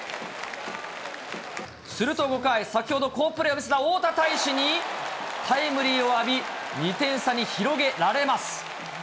すると５回、先ほど好プレーを見せた大田泰示にタイムリーを浴び、２点差に広げられます。